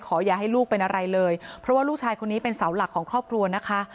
อย่าให้ลูกเป็นอะไรเลยเพราะว่าลูกชายคนนี้เป็นเสาหลักของครอบครัวนะคะ